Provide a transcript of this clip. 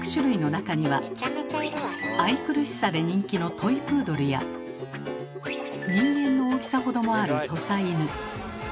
愛くるしさで人気のトイ・プードルや人間の大きさほどもある土佐犬。